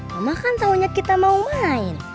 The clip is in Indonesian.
mama kan taunya kita mau main